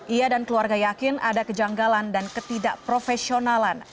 ia dan keluarga yakin ada kejanggalan dan ketidakprofesionalan